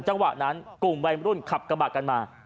จังหวะนั้นกลุ่มวัยรุ่นขับกระบะกันมา